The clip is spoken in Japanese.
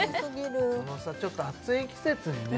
このさちょっと暑い季節にね